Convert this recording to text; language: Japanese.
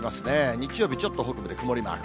日曜日、ちょっと北部で曇りマーク。